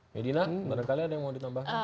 yudhina gimana kalian ada yang mau ditambahin